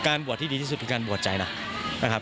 การบวชที่ดีที่สุดคือการบวชใจนะ